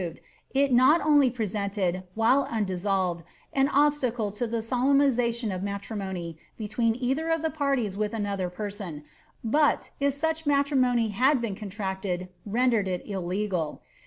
ed, it not only presented, while undissolved, an obstacle to the solemnisatioa of matrimony, between either of the parties with another person, but, if such matrimony had been contracted, rendered it illegal.